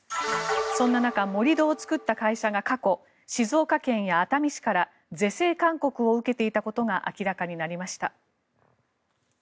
そんな中盛り土を作った会社が過去静岡県や熱海市から是正勧告を受けていたことが明らかになりました。